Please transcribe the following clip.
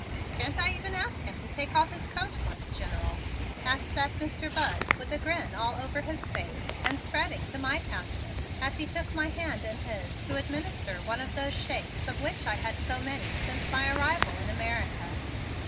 "Can't I even ask him to take off his coat once, General?" answered that Mr. Buzz with the grin all over his face and spreading to my countenance as he took my hand in his to administer one of those shakes of which I had had so many since my arrival in America.